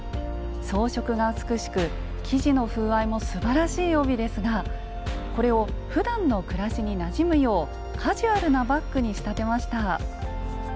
装飾が美しく生地の風合いもすばらしい帯ですがこれをふだんの暮らしになじむようカジュアルなバッグに仕立てました。